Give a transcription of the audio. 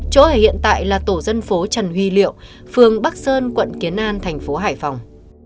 chỗ ở hiện tại là tổ dân phố trần huy liệu phường bắc sơn quận kiến an thành phố hải phòng